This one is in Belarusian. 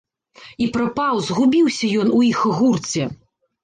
І прапаў, згубіўся ён у іх гурце.